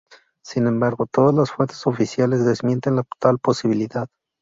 Sin embargo, todas las fuentes oficiales desmienten tal posibilidad.